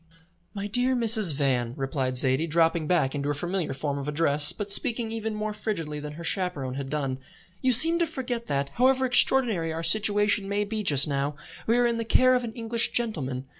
"My dear Mrs. Van," replied Zaidie, dropping back into her familiar form of address, but speaking even more frigidly than her chaperon had done, "you seem to forget that, however extraordinary our situation may be just now, we are in the care of an English gentleman.